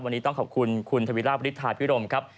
วันนี้ต้องขอบคุณคุณทวีราบริษฐาพิรมครับ